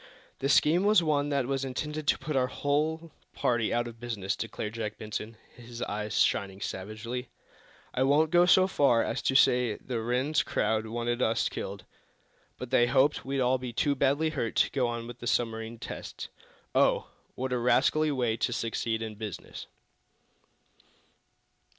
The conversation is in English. "The scheme was one that was intended to put our whole party out of business," declared Jack Benson, his eyes shining savagely. "I won't go so far as to say the Rhinds crowd wanted us killed, but they hoped we'd all be too badly hurt to go on with the submarine tests. Oh, what a rascally way to succeed in business!"